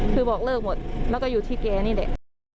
คือบอกเลิกหมดแล้วก็อยู่ที่แกนี่แหละ